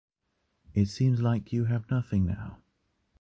It seems like you have nothing now